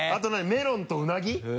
メロンとうなぎ？